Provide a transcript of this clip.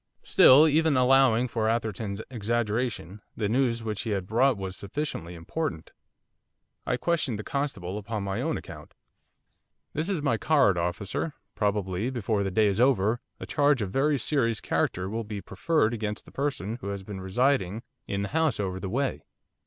Still, even allowing for Atherton's exaggeration, the news which he had brought was sufficiently important. I questioned the constable upon my own account. 'There is my card, officer, probably, before the day is over, a charge of a very serious character will be preferred against the person who has been residing in the house over the way.